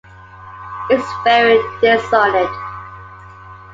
It's very dissonant.